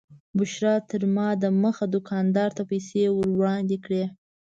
بشرا تر ما دمخه دوکاندار ته پیسې ور وړاندې کړې.